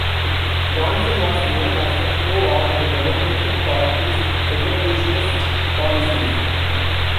Johnson was known as a foe of the Democratic Party's segregationist policies.